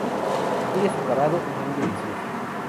Muy azucarado y muy delicioso.